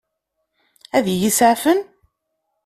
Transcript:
Ad iyi-iseɛfen?